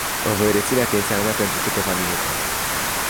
Vă voi reține atenția numai pentru câteva minute.